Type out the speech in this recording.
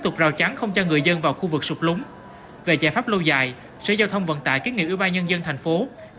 thành phố thủ đức